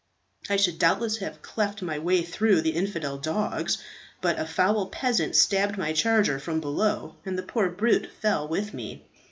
I should doubtless have cleft my way through the infidel dogs, but a foul peasant stabbed my charger from below, and the poor brute fell with me.